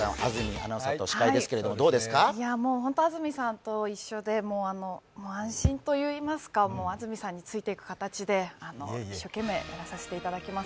安住さんと一緒で安心といいますか、安住さんについていく形で、一生懸命やらさせていただきます。